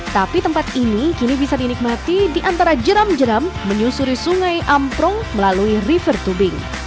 tapi tempat ini kini bisa dinikmati di antara jeram jeram menyusuri sungai amprong melalui river tubing